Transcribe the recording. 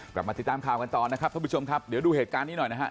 กลับมาติดตามข่าวกันต่อนะครับท่านผู้ชมครับเดี๋ยวดูเหตุการณ์นี้หน่อยนะฮะ